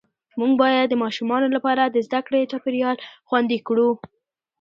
موږ باید د ماشومانو لپاره د زده کړې چاپېریال خوندي کړو